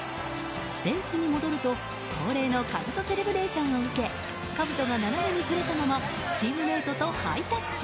ベンチに戻ると、恒例のかぶとセレブレーションを受けかぶとが斜めにずれたままチームメートとハイタッチ。